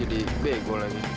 jadi bego lagi